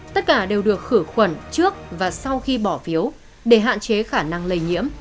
tất cả đều được khử khuẩn trước và sau khi bỏ phiếu để hạn chế khả năng lây nhiễm